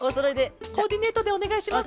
コーディネートでおねがいします